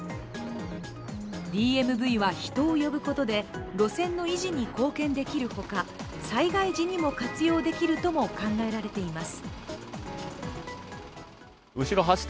ＤＭＶは人を呼ぶことで路線の維持に貢献できるほか、災害時にも活用できるとも考えられています。